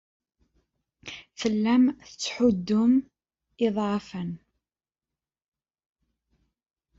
Tellam tettḥuddum uḍɛifen.